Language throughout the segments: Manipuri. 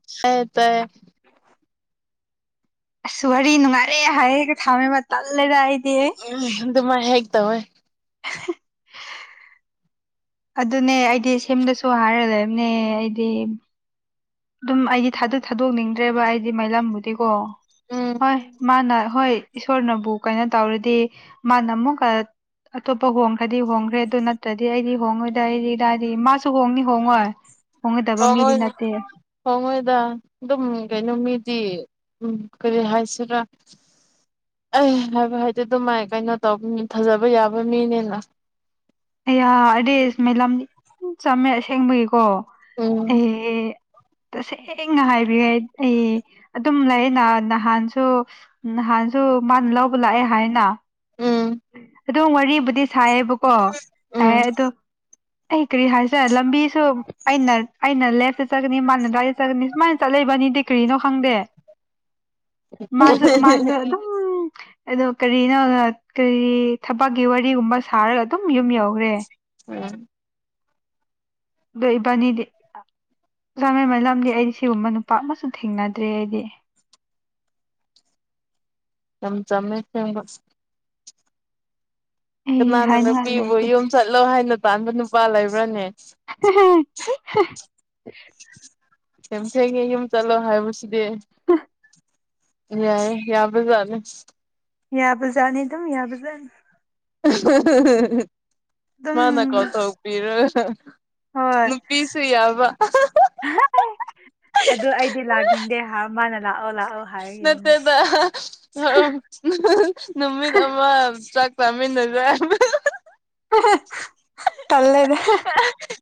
[unintelligible] ꯑꯁ ꯋꯥꯔꯤ ꯅꯨꯡꯉꯥꯏꯔꯦ ꯍꯥꯏꯔꯒ ꯊꯥꯝꯃꯦꯕ ꯇꯜꯂꯦꯗ ꯑꯩ ꯎꯝ ꯑꯗꯨꯃꯥꯏ ꯍꯥꯏꯒ‌ꯦ ꯇꯧꯏ [unintelligible] ꯑꯗꯨꯅꯦ ꯑꯩꯗꯤ ꯁꯦꯝꯗꯁꯨ ꯍꯥꯏꯔꯒ ꯂꯩꯕꯅꯦ ꯑꯩꯗꯤ ꯑꯗꯨꯝ ꯑꯩꯗꯤ ꯊꯥꯗꯣꯛ ꯊꯥꯗꯣꯛꯅꯤꯡꯗ꯭ꯔꯦꯕ ꯑꯩꯗꯤ ꯃꯥꯏꯂꯝꯕꯨꯗꯤꯀꯣ ꯎꯝ ꯍꯣꯏ ꯃꯥꯅ ꯍꯣꯏ ꯏꯁꯣꯔꯅꯕꯨ ꯀꯩꯅꯣ ꯇꯧꯔꯗꯤ ꯃꯥꯅ ꯑꯃꯨꯛꯀ ꯑꯇꯣꯞꯄ ꯍꯣꯡꯈ꯭ꯔꯗꯤ ꯍꯣꯡꯈ꯭ꯔꯦ ꯑꯗꯨ ꯅꯠꯇ꯭ꯔꯗꯤ ꯑꯩꯗꯤ ꯍꯣꯡꯉꯣꯏꯗ ꯑꯩꯗꯤ ꯗꯤ ꯃꯥꯁꯨ ꯍꯣꯡꯅꯤ ꯍꯣꯡꯉꯣꯏ ꯍꯣꯡꯒꯗꯕ ꯃꯤꯗꯤ [unintelligible] ꯅꯠꯇꯦ ꯍꯣꯡꯉ‌ꯣꯏꯗ ꯑꯗꯨꯝ ꯀꯩꯅꯣ ꯃꯤꯗꯤ ꯎꯝ ꯀꯔꯤ ꯍꯥꯏꯁꯤ꯭ꯔꯥ ꯑꯩ ꯍꯥꯏꯕ ꯍꯥꯏꯗꯤ ꯑꯗꯨꯃꯥꯏ ꯀꯩꯅꯣ ꯇꯧꯕ ꯊꯥꯖꯕ ꯌꯥꯕ ꯃꯤꯅꯤꯅ ꯑꯩꯌꯥ ꯑꯩꯗꯤ ꯃ‌ꯦꯂꯝ ꯆꯝꯃꯦ ꯑꯁꯦꯡꯕꯒꯤꯀꯣ ꯎꯝ ꯑꯦ ꯇꯁꯦꯡꯅ ꯍꯥꯏꯕꯤꯒ‌ꯦ ꯑꯩ ꯑꯗꯨꯝ ꯂꯩꯌ‌ꯦꯅ ꯅꯍꯥꯟꯁꯨ ꯎꯝ ꯅꯍꯥꯟꯁꯨ ꯃꯥꯅ ꯂꯧꯕ ꯂꯥꯛꯑꯦ ꯍꯥꯏꯌ‌ꯦꯅ ꯎꯝ ꯑꯗꯨꯝ ꯋꯥꯔꯤꯕꯨꯗꯤ ꯁꯥꯏꯌꯦꯕꯀꯣ ꯁꯥꯏꯌꯦ ꯎꯝ ꯑꯗꯣ ꯀꯩ ꯀꯩ ꯍꯥꯏ ꯁꯦ ꯂꯝꯕꯤꯁꯨ ꯑꯩꯅ ꯑꯩꯅ ꯂꯦꯐꯇ ꯆꯠꯀꯅꯤ ꯃꯥꯅ ꯔꯗꯥꯥꯏꯠ ꯆꯠꯀꯅꯤ ꯁꯨꯃꯥꯏꯅ ꯆꯠꯂꯤ ꯏꯕꯟꯅꯤꯗꯤ ꯀꯔꯤꯒꯤꯅꯣ ꯈꯪꯗꯦ ꯃꯥꯁꯨ ꯃꯥꯁꯨ ꯑꯗꯨꯝ [unintelligible] ꯑꯗꯣ ꯀꯔꯤꯅꯣ ꯀꯔꯤ ꯊꯕꯛꯀꯤ ꯋꯥꯔꯤꯒꯨꯝꯕ ꯁꯥꯔꯒ ꯑꯗꯨꯝ ꯌꯨꯝ ꯌꯧꯈ꯭ꯔꯦ ꯎꯝ ꯑ ꯏꯕꯥꯅꯤꯗꯤ ꯆ ꯃꯦꯟꯃꯟ ꯂꯝꯗꯤ ꯑꯩꯗꯤ ꯁꯤꯒꯨꯝꯕ ꯅꯨꯄꯥ ꯑꯃꯁꯨ ꯊꯦꯡꯅꯗ꯭ꯔꯦ ꯑꯩꯗꯤ ꯏꯆꯝ ꯆꯝꯃꯦ ꯐ‌ꯦꯡꯕ ꯑꯩ ꯀꯅꯥꯅ ꯍꯥꯏꯅꯤꯡꯉꯥꯏ ꯅꯨꯄꯤꯕꯨ ꯂꯩꯇꯦ ꯌꯨꯝ ꯆꯠꯂꯣ ꯍꯥꯏꯅ ꯇꯥꯟꯕ ꯅꯨꯄꯥ ꯂꯩꯕ꯭ꯔꯅꯦ [unintelligible] ꯁꯦꯝꯊ‌ꯦꯒꯤ ꯌꯨꯝ ꯆꯠꯂꯣ ꯍꯥꯏꯕꯁꯤꯗꯤ ꯌꯥꯏꯌ‌ꯦ ꯌꯥꯕꯖꯥꯠꯅꯤ ꯌꯥꯕꯖꯥꯠꯅꯤꯗ ꯌꯥꯕꯖꯥꯠꯅꯤ ꯑꯗꯨꯝ ꯃꯥꯅ ꯀꯥꯎꯊꯣꯛꯄꯤꯔꯣ ꯅꯪ ꯍꯣꯏ ꯅꯨꯄꯤꯁꯨ ꯌꯥꯕ ꯑꯗꯨ ꯑꯩꯗꯤ ꯂꯥꯛꯅꯤꯡꯗꯦ ꯍꯥꯏ ꯃꯥꯅ ꯂꯥꯛꯑꯣ ꯂꯥꯛꯑꯣ ꯍꯥꯏꯔꯒꯤꯅ ꯅꯠꯇꯦꯗ ꯅꯨꯃꯤꯠ ꯑꯃ ꯆꯥꯛ ꯆꯥꯃꯤꯟꯅꯖꯦ ꯇꯜꯂꯦꯗ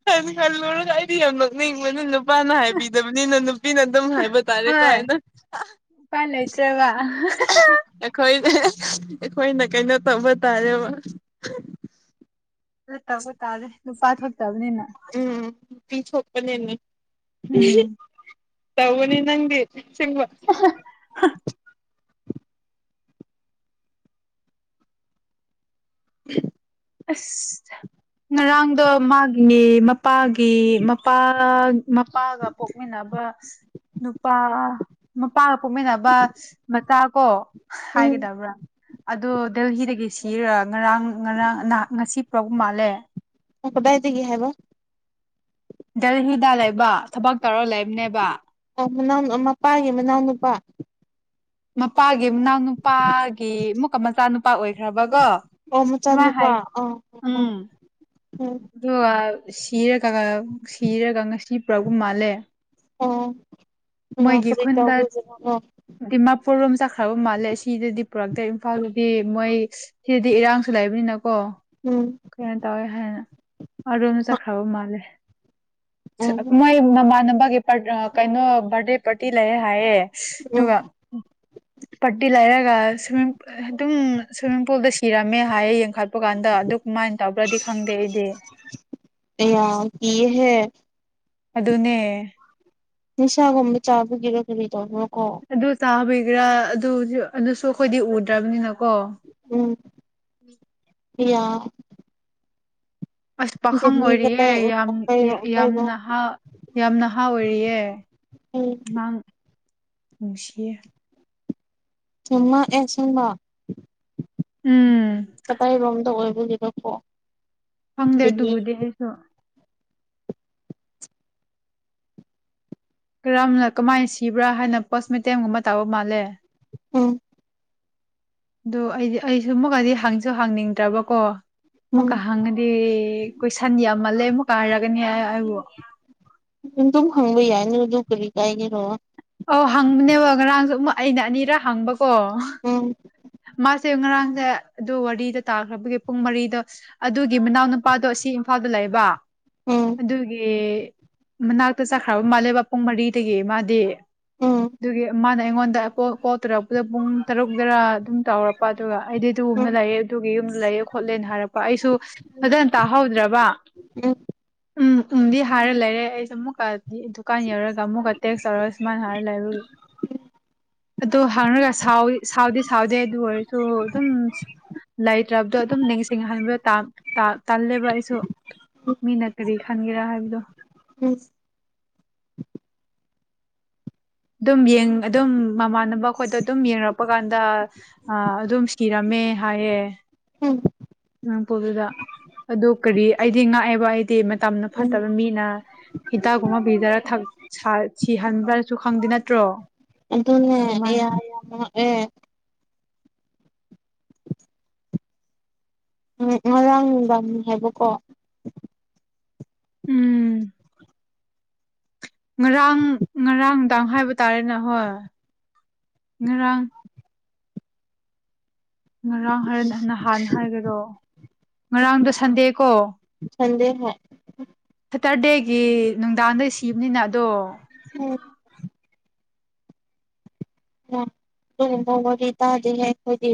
ꯈꯟ ꯈꯟꯂꯨꯔꯒ ꯑꯩꯗꯤ ꯌꯥꯝ ꯅ‌ꯣꯡꯅꯤꯡꯕꯅ‌ꯦ ꯅꯨ ꯅꯨꯄꯥꯅ ꯍꯥꯏꯕꯤꯗꯕꯅꯤꯅ ꯅꯨꯄꯤꯅ ꯑꯗꯨꯝ ꯍꯥꯏꯕ ꯇꯥꯔꯦ ꯀ‌ꯣ ꯍꯣꯏ ꯍꯥꯏꯅ ꯑ ꯑꯩꯈꯣꯏ ꯑꯩꯈꯣꯏꯅ ꯀꯩꯅꯣ ꯇꯧꯕ ꯇꯥꯔꯦꯕ ꯇꯧꯕ ꯇꯥꯔꯦ ꯂꯨꯄꯥ ꯊꯣꯛꯇꯕꯅꯤꯅ ꯎꯝ ꯅꯨꯄꯤ ꯊꯣꯛꯄꯅꯤꯅꯦ ꯎꯝ ꯇꯎꯅꯤ ꯅꯪꯦ ꯁꯤꯃ [unintelligible] [unintelligible] ꯑꯁ ꯉꯔꯥꯡꯗꯣ ꯃꯥꯒꯤꯅꯦ ꯃꯄꯥꯒꯤ ꯒꯤ ꯃꯄꯥ ꯃꯄꯥꯒ ꯄꯣꯛꯃꯤꯟꯅꯕ ꯅꯨꯄꯥ ꯃꯄꯥꯒ ꯄꯣꯛꯃꯤꯟꯅꯕ ꯃꯆꯥ ꯀꯣ ꯎꯝ ꯍꯥꯏꯒꯗꯕ꯭ꯔꯥ ꯑꯥꯗꯣ ꯗꯦꯜꯍꯤꯗꯒꯤ ꯁꯤꯔꯥꯒ ꯉꯔꯥꯡ ꯉꯔꯥꯡ ꯅꯥ ꯉꯁꯤ ꯄꯨꯔꯛꯄꯥ ꯃꯥꯜꯂꯦ ꯀꯗꯥꯏꯗꯒꯤ ꯍꯥꯏꯕ ꯗꯦꯜꯍꯤꯗ ꯂꯩꯕ ꯊꯕꯛ ꯇꯧꯔ ꯂꯩꯕꯅꯦꯕ ꯑꯣ ꯃꯅꯥꯎ ꯃꯄꯥꯒꯤ ꯃꯅꯥꯎ ꯅꯨꯨꯄꯥ ꯃꯄꯥꯒꯤ ꯃꯅꯥꯎ ꯅꯨꯄꯥ ꯀꯤ ꯃꯨꯛꯀ ꯃꯆꯥꯅꯨꯄꯥ ꯑꯣꯏꯈ꯭ꯔꯕꯒꯣ ꯑꯣ ꯑꯗꯨꯃꯥꯏꯅ ꯍꯥꯏ ꯎꯝ ꯎꯝ ꯑꯗꯨ ꯑꯥ ꯁꯤꯔꯒ ꯁꯤꯔꯒ ꯉꯁꯤ ꯄꯨꯔꯛꯄꯥ ꯃꯥꯜꯂꯦ ꯃꯣꯏꯒꯤ ꯈꯨꯟꯗ [unintelligible] ꯗꯤꯃꯥꯄꯨꯔ ꯔꯣꯝ ꯆꯠꯈ꯭ꯔꯕ ꯃꯥꯜꯂꯦ ꯑꯁꯤꯗꯗꯤ ꯄꯨꯔꯛꯇꯦ ꯏꯝꯐꯥꯜꯗꯗꯤ ꯃꯣꯏ ꯁꯤꯗꯤ ꯏꯔꯥꯡꯁꯨ ꯂꯩꯕꯅꯤꯅꯀꯣ ꯎꯝ ꯀꯩꯅꯣ ꯇꯧꯋꯦ ꯍꯥꯏ ꯑꯗꯨꯝ ꯆꯠꯈ꯭ꯔꯕ ꯃꯥꯜꯂꯦ ꯎꯝ ꯃꯣꯏ ꯃꯃꯥꯟꯅꯕꯒꯤ ꯀꯩꯅꯣ ꯕꯥꯔꯗꯦ ꯄꯥꯔꯇꯤ ꯂꯩꯌꯦ ꯍꯥꯏꯌꯦ ꯎꯝ ꯑꯗꯨꯒ ꯄꯥꯔꯇꯤ ꯂꯥꯏꯔꯒ ꯁꯤꯃꯨꯛ ꯑꯗꯨꯝ ꯁꯨꯏꯃꯤꯡ ꯄꯨꯜꯗ ꯁꯤꯔꯝꯃꯦ ꯍꯥꯏꯌꯦ ꯆꯞꯄ ꯀꯥꯟꯗ ꯑꯗꯨ ꯀꯃꯥꯏꯅ ꯇꯧꯕ꯭ꯔꯗꯤ ꯈꯪꯗꯦ ꯑꯩꯗꯤ ꯑꯦ ꯌꯥꯝ ꯀꯤꯌꯦꯍꯦ ꯑꯗꯨꯅꯦ ꯅꯤꯁꯥꯒꯨꯝꯕ ꯆꯥꯕꯒꯤꯔꯣ ꯀꯔꯤ ꯇꯧꯕ꯭ꯔꯣ ꯀꯣ ꯑꯗꯨ ꯆꯥꯕꯤꯒꯔꯥ ꯑꯗꯨ ꯑꯗꯨꯁꯨ ꯑꯩꯈꯣꯏꯗꯤ ꯎꯗ꯭ꯔꯕꯅꯤꯅ ꯀꯣ [unintelligible] ꯑꯁ ꯄꯥꯈꯪ ꯗꯦꯜꯂꯤ ꯑꯣꯏꯔꯤꯌꯦ ꯀꯗꯥꯏ ꯌꯥꯝ ꯌꯥꯝ ꯀꯩꯅꯣ ꯅꯍꯥ ꯌꯥꯝ ꯅꯍꯥ ꯑꯣꯏꯔꯤꯌꯦ ꯑꯉꯥꯡ ꯅꯨꯡꯁꯤ ꯁꯨꯝꯃꯛꯑꯦ ꯁꯨꯝꯕ ꯎꯝ ꯀꯗꯥꯏꯔꯣꯝꯗ ꯑꯣꯏꯕꯒꯤꯔꯥꯀꯣ ꯈꯪꯗꯦ ꯑꯗꯨꯕꯨꯗꯤ ꯑꯩꯁꯨ ꯀꯔꯝꯅ ꯀꯃꯥꯏꯅ ꯁꯤꯕ꯭ꯔꯥ ꯍꯥꯏꯅ ꯄꯣꯁꯃꯣꯇꯦꯝꯒꯨꯝꯕ ꯇꯧꯕ ꯃꯥꯜꯂꯦ ꯎꯝ ꯑꯗꯨ ꯑꯩꯗꯤ ꯑꯩꯁꯨ ꯑꯃꯨꯛꯀꯗꯤ ꯍꯪꯁꯨ ꯍꯪꯅꯤꯡꯗ꯭ꯔꯕꯀꯣ ꯑꯃꯨꯛꯀ ꯎꯝ ꯍꯪꯉꯥꯗꯤ ꯍꯥꯏꯗꯤ ꯀꯣꯏꯁꯟ ꯌꯥꯝꯃꯜꯂꯦ ꯑꯃꯨꯛ ꯀꯥꯏꯔꯛꯒꯅꯤ ꯍꯥꯏꯕꯨ ꯑꯗꯨꯝ ꯍꯪꯕ ꯌꯥꯏꯅ ꯑꯗꯨ ꯀꯔꯤ ꯀꯥꯏꯒꯦꯔꯣ ꯑꯧ ꯍꯪꯕꯅꯦꯕ ꯉꯔꯥꯡꯁꯨ ꯑꯃꯨꯛ ꯑꯩꯅ ꯑꯅꯤꯔꯛ ꯍꯪꯕꯀꯣ ꯎꯝ ꯃꯥꯁꯦ ꯉꯔꯥꯡꯁꯦ ꯑꯗꯨ ꯋꯥꯔꯤꯗꯨ ꯇꯥꯈ꯭ꯔꯕꯒꯤ ꯄꯨꯡ ꯃꯔꯤꯗ ꯑꯗꯨꯒꯤ ꯃꯅꯥꯎ ꯅꯨꯄꯥꯗꯣ ꯑꯁꯤ ꯏꯝꯐꯥꯜꯗ ꯂꯩꯕ ꯎꯝ ꯑꯗꯨꯒꯤ ꯃꯅꯥꯛꯇ ꯆꯠꯈ꯭ꯔꯕ ꯃꯥꯜꯂꯦꯕ ꯄꯨꯡ ꯃꯔꯤꯗꯒꯤ ꯃꯥꯗꯤ ꯎꯝ ꯑꯗꯨꯒꯤ ꯃꯥꯅ ꯑꯩꯉꯣꯟꯗ ꯀꯣꯜ ꯇꯧꯔꯛꯄꯥꯗ ꯄꯨꯡ ꯇꯔꯨꯛ ꯇꯔꯥ ꯑꯗꯨꯝ ꯇꯥꯎꯔꯛꯄ ꯑꯗꯨꯒ ꯑꯩꯗꯤ ꯑꯗꯨꯒꯒꯨꯝꯅ ꯎꯝ ꯂꯩꯑꯦ ꯑꯗꯨꯒꯤ ꯌꯨꯝꯗ ꯂꯩꯌꯦ ꯈꯣꯠꯂꯦꯅ ꯍꯥꯏꯔꯛꯄ ꯑꯩꯁꯨ ꯐꯖꯅ ꯇꯥꯍꯧꯗ꯭ꯔꯕ ꯎꯝ ꯎꯝꯗꯤ ꯍꯥꯏꯔꯦ ꯂꯩꯔꯦ ꯑꯩꯁꯨ ꯑꯃꯨꯛꯀꯥ ꯗꯨꯀꯥꯟ ꯌꯧꯔꯒ ꯑꯃꯨꯛꯀꯥ ꯇꯦꯛꯁ ꯇꯧꯔ ꯁꯨꯃꯥꯏꯅ ꯍꯥꯏꯔ ꯂꯩꯕꯒꯤ ꯑꯗꯨ ꯍꯪꯔꯥꯒꯥ ꯁꯥꯎꯗꯤ ꯁꯥꯎꯗꯦ ꯑꯗꯨ ꯑꯣꯏꯔꯁꯨ ꯑꯗꯨꯝ ꯂꯩꯇ꯭ꯔꯕꯗꯣ ꯑꯗꯨꯝ ꯅꯤꯡꯁꯤꯡꯍꯟꯕꯗꯣ ꯇꯥ ꯇꯜꯂꯦꯕ ꯑꯩꯁꯨ ꯃꯤꯅ ꯀꯔꯤ ꯈꯟꯒꯦꯔꯥ ꯍꯥꯏꯕꯗꯣ [unintelligible] ꯑꯗꯨꯝ ꯌꯦꯡ ꯑꯗꯨꯝ ꯃꯃꯥꯟꯅꯕ ꯑꯩꯈꯣꯏꯗ ꯑꯗꯨꯝ ꯌꯦꯡꯉꯛꯄ ꯀꯥꯟꯗ ꯑꯥ ꯑꯗꯨꯝ ꯁꯤꯔꯝꯃꯦ ꯍꯥꯏꯌꯦ ꯎꯝ ꯉꯥꯡꯄꯣꯗꯨꯗ ꯑꯗꯨ ꯀꯔꯤ ꯑꯩꯗꯤ ꯉꯥꯛꯑꯦꯕ ꯑꯩꯗꯤ ꯃꯇꯝꯅ ꯎꯝ ꯐꯠꯇꯕ ꯃꯤꯅ ꯍꯤꯗꯥꯛꯒꯨꯝꯕ ꯄꯤꯖꯔ ꯊꯛ ꯁꯤꯍꯟꯕ꯭ꯔꯁꯨ ꯈꯪꯗꯦ ꯅꯠꯇ꯭ꯔꯣ ꯑꯗꯨꯅꯦ ꯑꯦ ꯀꯃꯥꯏ ꯌꯥ ꯑꯦ ꯌꯥ ꯉꯥꯛꯑꯦ ꯎꯝ ꯉꯔꯥꯡ ꯅꯨꯡꯗꯥꯡꯅꯤ ꯍꯥꯏꯕꯀꯣ ꯎꯝ ꯉꯔꯥꯡ ꯉꯔꯥꯡꯅꯨꯡꯗꯥꯥꯡ ꯍꯥꯏꯕ ꯇꯥꯔꯦꯅꯦ ꯍꯣꯏ ꯉꯔꯥꯡ ꯉꯔꯥꯡ ꯍꯥꯏꯔ ꯅꯍꯥꯟꯅ ꯍꯥꯏꯒꯦꯔꯣ ꯉꯔꯥꯡꯗꯣ ꯁꯟꯗꯦꯀꯣ ꯁꯟꯗꯦ ꯍꯣꯏ ꯁꯥꯇꯔꯗꯦꯒꯤ ꯅꯨꯡꯗꯥꯡꯗ ꯁꯤꯕꯅꯤꯅ ꯑꯗꯣ ꯎꯝ ꯃꯥ ꯑꯗꯨꯒꯨꯝꯕ ꯋꯥꯔꯤ ꯇꯥꯗꯦꯍꯦ ꯑꯩꯈꯣꯏꯗꯤ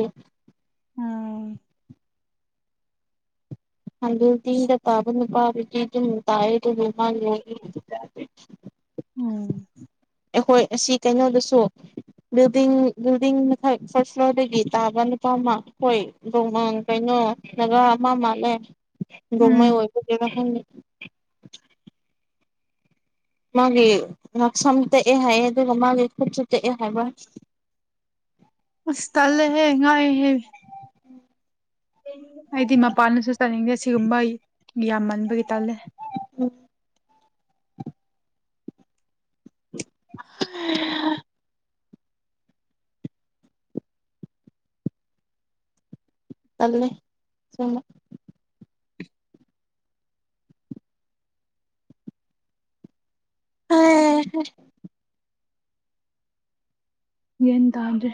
ꯎꯝ [unintelligible] ꯇꯤꯒꯥ ꯄꯥꯕ ꯅꯨꯄꯥꯗꯨꯗꯤ [unintelligible] ꯎꯝ ꯑꯩꯈꯣꯏ ꯑꯁꯤ ꯀꯩꯅꯣꯗꯁꯨ ꯕꯤꯜꯗꯤꯡ ꯕꯤꯜꯗꯤꯡ ꯃꯊꯪꯛ ꯐꯥꯔꯁꯠ ꯐ꯭ꯂꯣꯔꯗꯒꯤ ꯇꯥꯕ ꯅꯨꯄꯥ ꯑꯃ ꯍꯣꯏ ꯗꯣꯡꯃ ꯀꯩꯅꯣ ꯅꯒꯥ ꯑꯃ ꯃꯥꯜꯂꯦ ꯎꯝ ꯅꯣꯡꯃꯩ ꯑꯣꯏꯕꯒꯤꯔꯥ ꯈꯪꯗꯦ ꯃꯥꯒꯤ ꯉꯛꯁꯝ ꯇꯦꯛꯑꯦ ꯍꯥꯏꯌꯦ ꯑꯗꯨꯒ ꯃꯥꯒꯤ ꯈꯨꯠꯁꯨ ꯇꯛꯑꯦ ꯍꯥꯏꯕ ꯑꯁ ꯇꯜꯂꯦꯍꯦ ꯉꯥꯛꯏꯍꯦ ꯑꯩꯗꯤ ꯃꯄꯥꯟꯗꯁꯨ ꯆꯥꯅꯤꯡꯗꯦ ꯁꯤꯒꯨꯝꯕ ꯌꯥꯝꯃꯟꯕꯒꯤ ꯇꯜꯂꯦ ꯎꯝ [unintelligible] ꯇꯜꯂꯦ ꯁꯦꯡꯕ [unintelligible] ꯒ꯭ꯌꯥꯟ ꯇꯗ꯭ꯔꯦ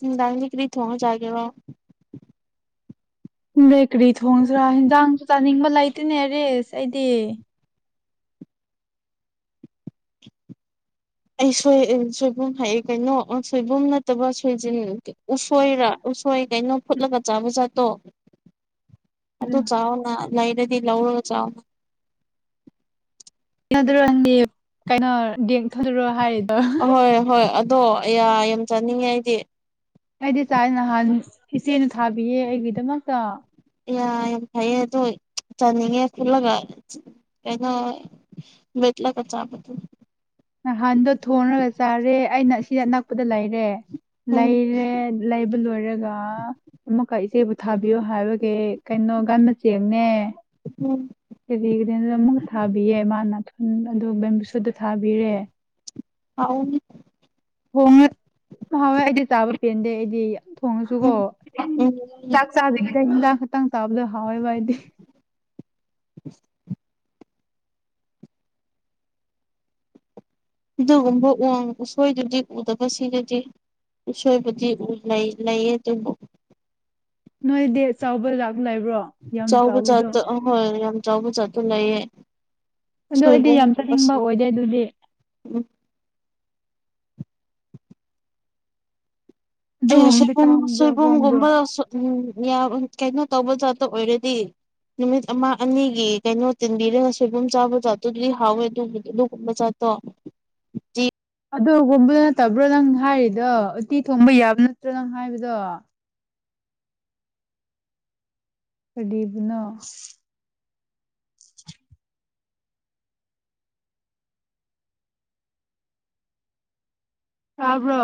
ꯅꯨꯡꯗꯥꯡꯗꯤ ꯀꯔꯤ ꯊꯣꯡꯉꯥ ꯆꯒꯦꯔꯣ ꯈꯪꯗꯦ ꯀꯔꯤ ꯊꯣꯡꯁꯤ꯭ꯔꯥ ꯍꯦꯟꯖꯥꯡꯁꯨ ꯆꯥꯅꯤꯡꯕ ꯂꯩꯇꯦꯅꯦ ꯔꯤꯁ ꯑꯩꯗꯤ ꯑꯩ ꯁꯣꯏ ꯁꯣꯏꯕꯨꯝ ꯍꯥꯏꯌꯦ ꯀꯩꯅꯣ ꯁꯣꯏꯕꯨꯝ ꯅꯠꯇꯕ ꯁꯣꯏꯖꯤꯟ ꯎꯁꯣꯏꯔ ꯎꯁꯣꯏ ꯀꯩꯅꯣ ꯐꯨꯠꯂꯒ ꯆꯥꯕ ꯖꯥꯠꯇꯣ ꯑꯗꯨ ꯆꯥꯎꯅ ꯂꯩꯔꯗꯤ ꯂꯧꯔꯒ ꯆꯥꯎꯅ ꯌꯥꯗꯥꯔꯣ ꯅꯪꯗꯤ ꯀꯩꯅꯣ ꯗꯦꯡꯊꯗꯔꯣ ꯍꯥꯏꯔꯗꯤ ꯑꯍꯣꯏ ꯍꯣꯏ ꯑꯗꯣ ꯑꯌꯥ ꯌꯥꯝ ꯆꯥꯅꯤꯡꯉꯦ ꯑꯩꯗꯤ ꯑꯩꯗꯤ ꯆꯥꯏ ꯅꯍꯥꯟ ꯏꯆꯦꯅ ꯊꯥꯕꯤꯌꯦ ꯑꯩꯒꯤꯗꯃꯛꯇ ꯌꯥ ꯌꯥꯝ ꯐꯩꯌꯦ ꯑꯗꯣ ꯆꯥꯅꯤꯡꯉꯦ ꯐꯨꯠꯂꯒꯥ ꯀꯩꯅꯣ ꯃꯦꯠꯂꯒꯥ ꯆꯥꯕꯗꯨ ꯅꯍꯥꯟꯗꯣ ꯊꯣꯡꯉꯒ ꯆꯥꯔꯦ ꯑꯩꯅ ꯑꯁꯤꯗ ꯑꯅꯛꯄꯗ ꯂꯩꯔꯦ ꯎꯝ ꯂꯩꯔꯦ ꯂꯩꯕ ꯂꯣꯏꯔꯒ ꯑꯃꯨꯛꯀꯥ ꯏꯆꯦꯕꯨ ꯊꯥꯕꯤꯌꯣ ꯍꯥꯏꯕꯒꯤ ꯀꯩꯅꯣ ꯒꯥꯟꯅ ꯆꯦꯡꯅꯦ ꯎꯝ ꯀꯔꯤ [unintelligible] ꯑꯃꯨꯛꯀꯥ ꯊꯥꯕꯤꯌꯦ ꯃꯥꯅ ꯑꯗꯨ ꯕꯦꯝꯕꯨꯁꯨꯗꯣ ꯊꯥꯕꯤꯔꯦ ꯍꯥꯎꯅꯤ ꯊꯣꯡꯉ ꯍꯥꯎꯏ ꯑꯩꯗꯤ ꯆꯥꯕ ꯄꯦꯟꯗꯦ ꯑꯩꯗꯤ ꯊꯣꯡꯉꯁꯨꯀꯣ ꯆꯆꯥ ꯍꯗ ꯍꯤꯗꯥꯛꯡꯈꯛꯇꯪ ꯇꯥꯕꯗꯣ ꯍꯥꯎꯋꯦꯕ ꯍꯥꯏꯗꯤ [unintelligible] ꯑꯗꯨꯒꯨꯝꯕ ꯎꯡ ꯎꯁꯣꯏꯗꯨꯗꯤ ꯎꯗꯕ ꯁꯤꯅꯗꯤ ꯏꯁꯁꯣꯏꯕꯨꯗꯤ ꯂꯩ ꯂꯩꯌꯦ ꯑꯗꯨꯕꯨ ꯅꯣꯏ ꯗꯦ ꯆꯥꯎꯕꯔ ꯂꯥꯛ ꯆꯥꯎꯕ ꯆꯖꯠꯇꯣ ꯑꯍꯣꯏ ꯌꯥꯝ ꯆꯥꯎꯕ ꯆꯖꯥꯠꯇꯣ ꯂꯩꯌꯦ ꯑꯗꯨ ꯑꯩꯗꯤ ꯌꯥꯝ ꯆꯠꯅꯤꯡꯕ ꯁꯣꯏꯕꯨꯝꯒꯨꯝꯕꯁꯨ ꯑꯣꯏꯗꯦ ꯑꯗꯨꯗꯤ ꯎꯝ ꯑꯗꯨꯒꯨꯝꯕꯗꯤ ꯁꯣꯏꯕꯨꯝ ꯇꯥꯡꯕ꯭ꯔꯣ ꯍꯣꯡꯕ꯭ꯔꯣ ꯁꯣꯏꯕꯨꯝꯒꯨꯝꯕ ꯎꯝ ꯌꯥꯝ ꯀꯩꯅꯣ ꯇꯧꯕ ꯖꯥꯠꯇ ꯑꯣꯏꯔꯗꯤ ꯅꯨꯃꯤꯠ ꯑꯃ ꯑꯅꯤꯒꯤ ꯀꯩꯅꯣ ꯇꯤꯟꯕꯤꯔꯒ ꯁꯣꯏꯕꯨꯝ ꯆꯥꯕ ꯥꯠꯇꯨꯗꯤ ꯍꯥꯎꯋꯦ ꯑꯗꯨꯕꯨꯗꯤ ꯑꯗꯨꯒꯨꯝꯕ ꯥꯠꯇꯣ ꯑꯗꯨꯗ ꯍꯣꯕꯗꯣ ꯅꯠꯇꯕ꯭ꯔꯣ ꯅꯪ ꯍꯥꯏꯔꯤꯗꯣ ꯎꯠꯇꯤ ꯊꯣꯡꯕ ꯌꯥꯕ ꯅꯠꯇ꯭ꯔꯣ ꯅꯪ ꯍꯥꯏꯕꯗꯣ ꯀꯔꯤꯕꯅ ꯇꯥꯕ꯭ꯔꯣ